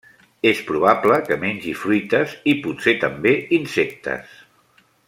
És probable que mengi fruites i, potser també, insectes.